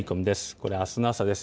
これ、あすの朝です。